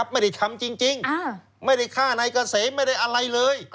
ไม่ได้ทำจริงไม่ได้ฆ่านายเกษมไม่ได้อะไรเลย